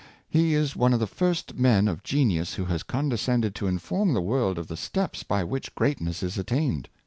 He is one of the first men of genius who has condescended to inform the world of the steps by which greatness is attained.